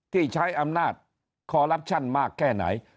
ที่ใช้อำนาจคอลลับชั่นมากแค่ไหน